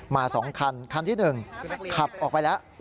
มาสองคันคันที่หนึ่งขับออกไปแล้ว